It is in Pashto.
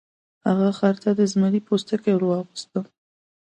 هغه خر ته د زمري پوستکی ور واغوسته.